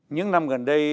những năm gần đây